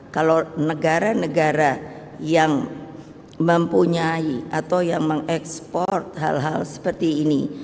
kalau negara negara yang mempunyai atau yang mengekspor hal hal seperti ini